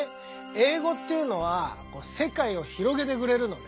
英語っていうのは世界を広げてくれるのね。